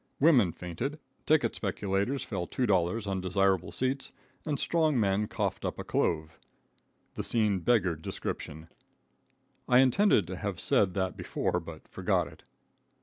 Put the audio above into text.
Women fainted, ticket speculators fell $2 on desirable seats, and strong men coughed up a clove. The scene beggared description. I intended to have said that before, but forgot it.